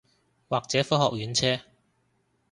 或者科學園車